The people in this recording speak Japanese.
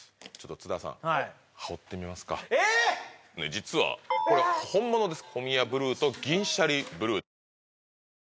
実はこれ本物です。